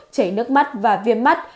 chảy nước mắt và viêm mắt